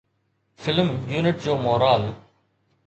film unit جو moral